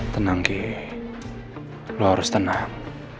tenang ke lo harus tenang